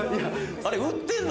あれ売てっんの？